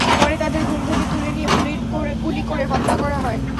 পরে তাঁদের ঘুম থেকে তুলে নিয়ে গুলি করে হত্যা করা হয়।